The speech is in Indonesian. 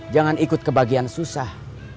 jangan ikut kebagian susah